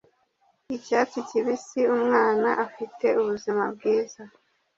icyatsi kibisi umwana afite ubuzima bwiza